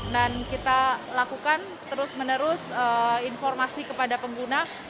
dan kita lakukan terus menerus informasi kepada pengguna